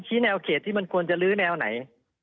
แนวเขตที่มันควรจะลื้อแนวไหน